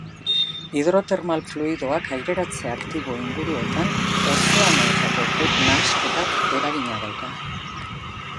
Hidrotermal fluidoak aireztatze aktibo inguruetan ozeanoetako ur nahasketak eragina dauka.